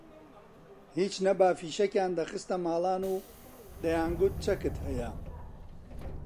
هیچ نەبا فیشەکیان دەخستە ماڵان و دەیانگوت چەکت هەیە